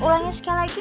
ulangnya sekali lagi